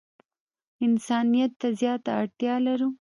انسانیت ته زیاته اړتیا لرو.